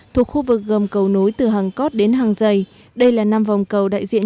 thuộc khu vực gồm cầu nối từ hàng cót đến hàng dày đây là năm vòng cầu đại diện